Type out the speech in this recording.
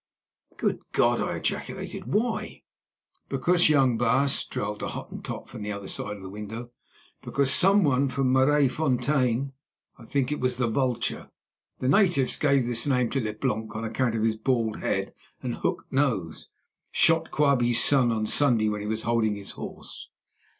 "Good God!" I ejaculated. "Why?" "Because, young baas," drawled the Hottentot from the other side of the window, "because someone from Maraisfontein—I think it was the Vulture" (the natives gave this name to Leblanc on account of his bald head and hooked nose)—"shot Quabie's son on Sunday when he was holding his horse."